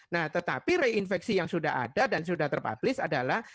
nah tetapi reinfeksi yang sudah ada dan sudah terpublis adalah